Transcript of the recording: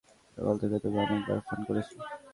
সকাল থেকে তোকে অনেকবার ফোন করেছি।